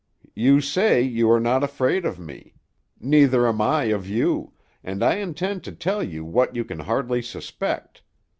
"You say you are not afraid of me; neither am I of you, and I intend to tell you what you can hardly suspect.